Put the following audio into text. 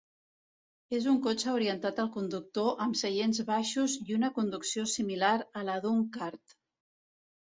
És un cotxe orientat al conductor amb seients baixos i una conducció similar a la d'un kart.